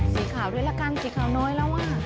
สีขาวด้วยละกันสีขาวน้อยแล้วอ่ะ